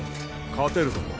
勝てるとも。